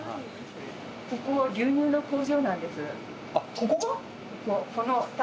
ここが？